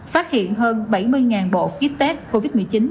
phát hiện hơn bảy mươi bộ kit test covid một mươi chín